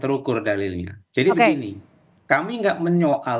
kemarin proses pemilu f realm f realm ini papa kan kita sudah bukominya itu